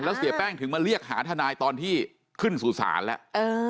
แล้วเสียแป้งถึงมาเรียกหาทนายตอนที่ขึ้นสู่ศาลแล้ว